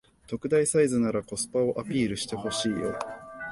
特大サイズならコスパをアピールしてほしいよ